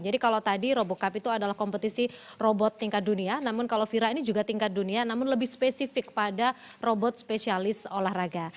jadi kalau tadi robocup itu adalah kompetisi robot tingkat dunia namun kalau vira ini juga tingkat dunia namun lebih spesifik pada robot spesialis olahraga